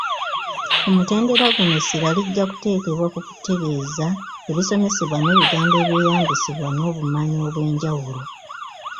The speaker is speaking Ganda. Ku mutendera guno, essira lijja kuteekebwa ku kutereeza ebisomesebwa n’ebigambo ebyeyambisibwa n’obumanyi obw’enjawulo.